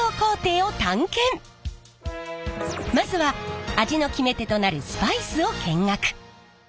まずは味の決め手となるスパイスを見学。